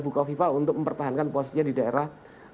bukow viva untuk mempertahankan posisinya di daerah